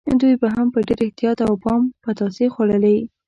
دوی به هم په ډېر احتیاط او پام پتاسې خوړلې.